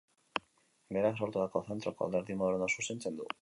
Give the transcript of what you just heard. Berak sortutako Zentroko Alderdi Modernoa zuzentzen du.